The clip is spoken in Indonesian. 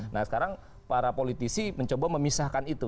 nah sekarang para politisi mencoba memisahkan itu